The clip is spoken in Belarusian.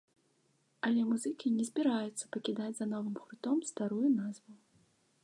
Але музыкі не збіраюцца пакідаць за новым гуртом старую назву.